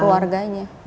keluarga dari teman teman